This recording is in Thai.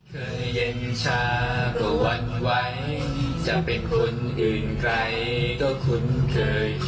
เคยเย็นช้ากว่าวันไหวจะเป็นคนอื่นไกลก็คุ้นเคย